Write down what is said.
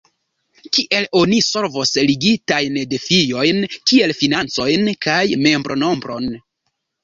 Kiel oni solvos ligitajn defiojn kiel financojn kaj membronombron?